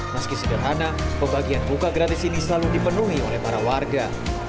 meski sederhana pembagian buka gratis ini selalu dipenuhi oleh para warga